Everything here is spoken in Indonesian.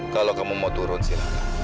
kalau kamu mau turun silahkan